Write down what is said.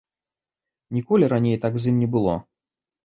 Ніколі раней так з ім не было.